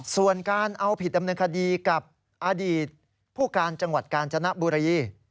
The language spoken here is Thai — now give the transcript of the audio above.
ส่วนการเอาผิดดำเนินคดีกับอดีตผู้การจังหวัดกาญจนบุรี